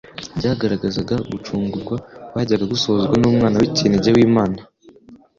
byagaragazaga gucungurwa kwajyaga gusohozwa n'umwana w'ikinege w'Imana.